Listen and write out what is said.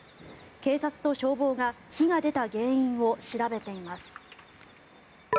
警察と消防が火が出た原因を調べています。